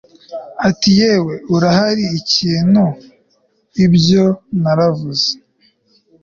Ati yewe urahari Ikintu o ibyo naravuze